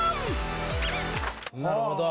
なるほど。